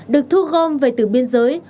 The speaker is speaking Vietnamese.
được thu gom về từ biên giới